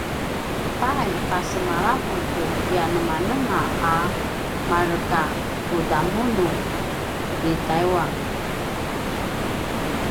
pay pasemalavu tu kianemanema a markakudamunu i taiwan?